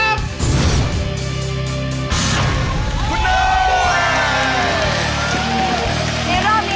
นี่รอบนี้น่ะ